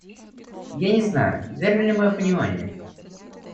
Я не знаю, верно ли мое понимание.